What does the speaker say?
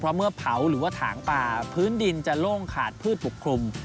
เมื่อเผาหรือว่าถางป่าพื้นดินจะโล่งขาดพืชปกคลุม